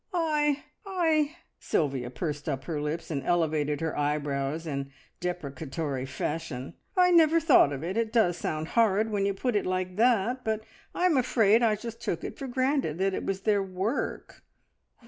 "I I " Sylvia pursed up her lips and elevated her eyebrows in deprecatory fashion. "I never thought of it! It does sound horrid when you put it like that, but I'm afraid I just took it for granted that it was their work.